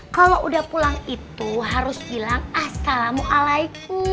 kalau udah pulang itu harus bilang assalamualaikum